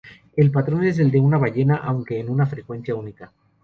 El patrón es el de una ballena, aunque en una frecuencia única.